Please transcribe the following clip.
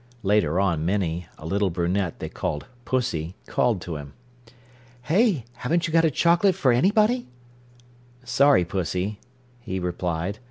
Later on Minnie, a little brunette they called Pussy, called to him: "Hey, haven't you got a chocolate for anybody?" "Sorry, Pussy," he replied.